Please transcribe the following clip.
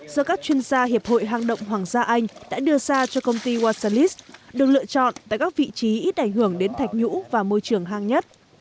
nhân gia hiệp hội hang động hoàng gia anh đã đưa ra cho công ty osalis được lựa chọn tại các vị trí ít ảnh hưởng đến thạch nhũ và môi trường hang nhất